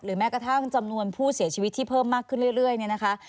แม้กระทั่งจำนวนผู้เสียชีวิตที่เพิ่มมากขึ้นเรื่อยเนี่ยนะคะ